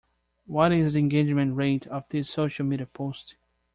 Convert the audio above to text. What is the engagement rate of this social media post?